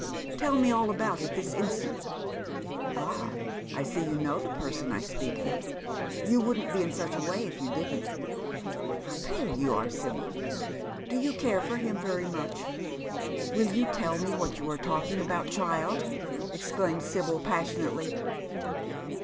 Tell me all about it this instant." " Ah, I see you know the person I speak of. You wouldn't bo in such a way if you didn't. How paieyou are, Sibyl ! Do you care for him verj'^ much ?"" Will you tell me what you are talking about, child ?" ex claims Sibyl, passionately.